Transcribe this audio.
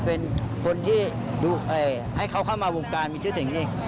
เป็นคนที่ให้เขาเข้ามาวงการมีชื่อเสียงจริง